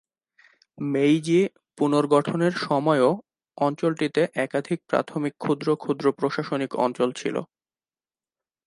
মেইজি পুনর্গঠনের সময়ও অঞ্চলটিতে একাধিক প্রাথমিক ক্ষুদ্র ক্ষুদ্র প্রশাসনিক অঞ্চল ছিল।